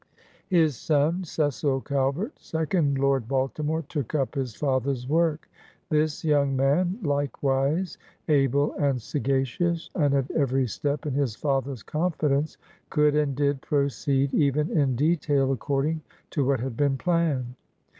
His son, Cecil Calvert, second Lord Baltimore, took up his father's work. This young man, like wise able and sagacious, and at every step in his father's confidaice, could and did proceed even in detail accordii^ to what had been planned.